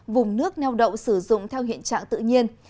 vùng nước neo đậu sử dụng theo hiện trạng tự nhiên